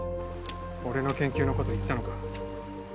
俺の研究のこと言ったのか？